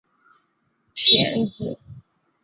遥距交流持续性的工作沟通与协作